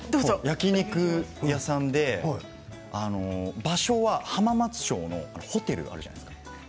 焼き肉屋さんで場所は浜松町のホテルあるじゃないですか。